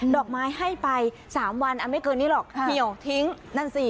ดอกไม้ให้ไป๓วันไม่เกินนี้หรอกเหี่ยวทิ้งนั่นสิ